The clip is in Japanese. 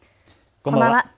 こんばんは。